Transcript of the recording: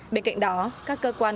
bên cạnh đó các cơ quan